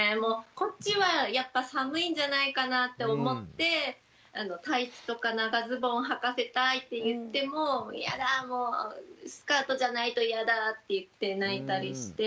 こっちはやっぱ寒いんじゃないかなって思ってタイツとか長ズボンをはかせたいって言っても「嫌だもうスカートじゃないと嫌だ」って言って泣いたりして。